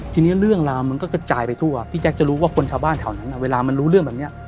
ทีนี้เรื่องราวมันก็กระจายไปทั่วพี่แจ๊คจะรู้ว่าคนชาวบ้านแถวนั้นเวลามันรู้เรื่องแบบนี้